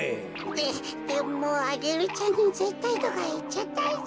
ででもアゲルちゃんにぜったいとかいっちゃったし。